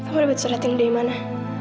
kamu udah berceratin dia dimana